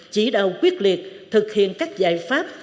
chỉ đạo quyết liệt thực hiện các giải pháp